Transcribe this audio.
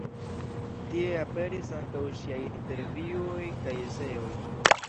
Tie aperis ankaŭ ŝiaj intervjuoj kaj eseoj.